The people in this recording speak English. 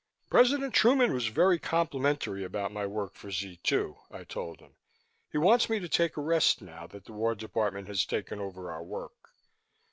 "President Truman was very complimentary about my work for Z 2," I told him. "He wants me to take a rest now that the War Department has taken over our work.